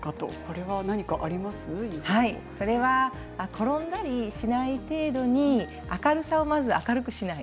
転んだりしない程度に明るさをまず明るくします。